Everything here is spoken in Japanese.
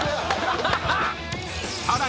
［さらに］